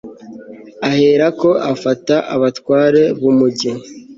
ahera ko afata abatware b'umugi